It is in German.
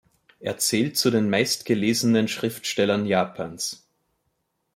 Er zählt zu den meistgelesenen Schriftstellern Japans.